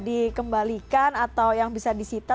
dikembalikan atau yang bisa disita